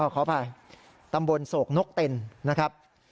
ขออภัยตำบลโศกนกเต็นนะครับ